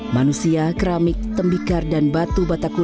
manusia keramik tembikar dan batu batak luluh